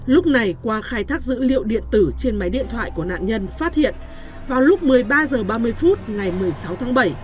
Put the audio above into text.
lúc này qua khai thác dữ liệu điện tử trên máy điện thoại của nạn nhân phát hiện vào lúc một mươi ba h ba mươi phút ngày một mươi sáu tháng bảy